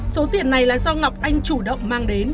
số tiền này là do ngọc anh chủ động mang đến